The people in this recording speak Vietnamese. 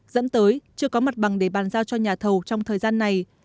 dẫn tới chưa có mặt bằng để bàn giao cho nhà thầu trong thời gian này